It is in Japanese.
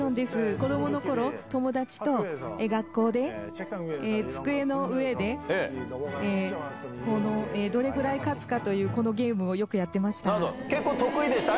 子どものころ、友達と学校で、机の上でどれぐらい勝つかというこのゲームをよくやってました。